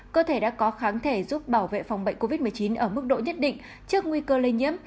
cơ thể đã có kháng thể giúp bảo vệ phòng bệnh covid một mươi chín ở mức độ nhất định trước nguy cơ lây nhiễm